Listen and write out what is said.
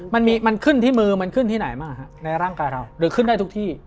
มันมันขึ้นที่มือมันขึ้นที่ไหนบ้างฮะในร่างกายเราหรือขึ้นได้ทุกที่